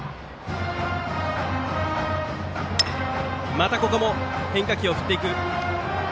またここも変化球を振っていく。